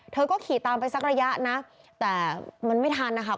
เธอก็ขี่ตามไปสักระยะนะแต่มันไม่ทันนะคะ